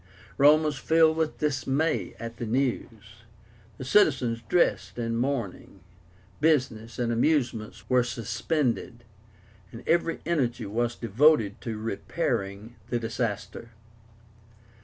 Rome was filled with dismay at the news. The citizens dressed in mourning, business and amusements were suspended, and every energy was devoted to repairing the disaster.